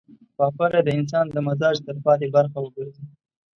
پاکوالی د انسان د مزاج تلپاتې برخه وګرځي.